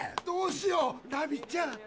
どうしようラビィちゃん。